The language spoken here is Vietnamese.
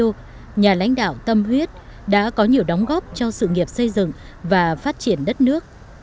trong lễ trùy điệu nhà lãnh đạo tâm huyết đã có nhiều đóng góp cho sự nghiệp xây dựng và phát triển đất nước